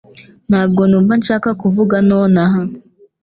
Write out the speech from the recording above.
Ntabwo numva nshaka kuvuga nonaha